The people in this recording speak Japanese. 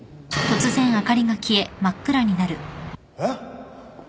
えっ？